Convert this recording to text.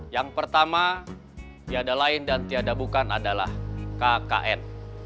yang pertama tiada lain dan tiada bukan adalah kkn